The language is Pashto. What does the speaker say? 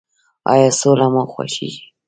ایا سوله مو خوښیږي؟